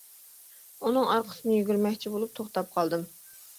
ئۇنىڭ ئارقىسىدىن يۈگۈرمەكچى بولۇپ توختاپ قالدىم.